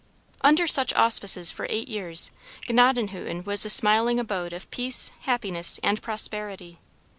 Under such auspices for eight years, Gnadenhutten was the smiling abode of peace, happiness, and prosperity.